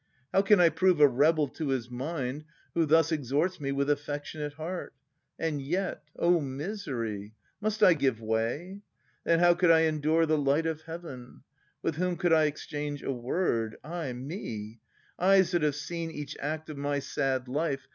How can I prove a rebel to his mind Who thus exhorts me with affectionate heart? And yet, oh misery ! must I give way ? Then how could I endure the light of heaven ? With whom could I exchange a word ? Ay me ! Eyes that have seen each act of my sad life.